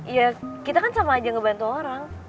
ya kita kan sama aja ngebantu orang